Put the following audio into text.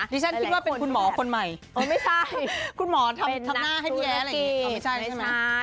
ฉันคิดว่าเป็นคุณหมอคนใหม่ไม่ใช่คุณหมอทำหน้าให้พี่แย้อะไรอย่างนี้ไม่ใช่ใช่ไหม